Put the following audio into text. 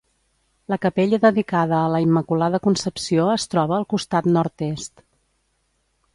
La capella dedicada a la Immaculada Concepció es troba al costat nord-est.